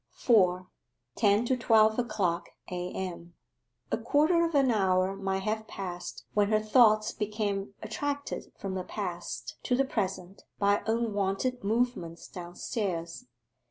4. TEN TO TWELVE O'CLOCK A.M. A quarter of an hour might have passed when her thoughts became attracted from the past to the present by unwonted movements downstairs.